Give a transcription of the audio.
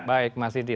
baik mas sidi